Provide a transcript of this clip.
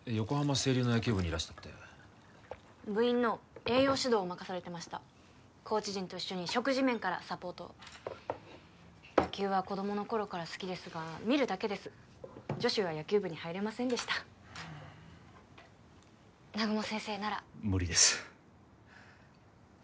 青隆の野球部にいらしたって部員の栄養指導を任されてましたコーチ陣と一緒に食事面からサポートを野球は子供の頃から好きですが見るだけです女子は野球部に入れませんでした南雲先生なら無理ですあ